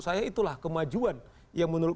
saya itulah kemajuan yang menurut